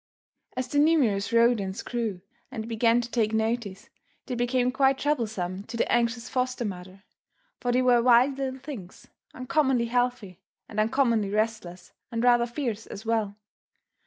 As the numerous rodents grew and began to take notice, they became quite troublesome to the anxious foster mother, for they were wild little things, uncommonly healthy and uncommonly restless and rather fierce as well.